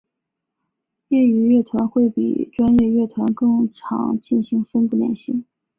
业余乐团会比专业乐团更常进行分部练习。